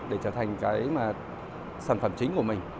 để trở thành cái sản phẩm chính của mình